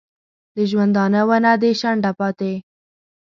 د ژوندانه ونه دي شنډه پاته